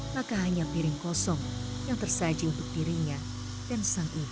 maka hanya piring kosong yang tersaji untuk dirinya dan sang ibu